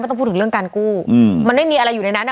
ต้องพูดถึงเรื่องการกู้มันไม่มีอะไรอยู่ในนั้นอ่ะ